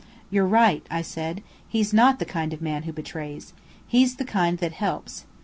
"You're right," I said. "He's not the kind of man who betrays. He's the kind that helps.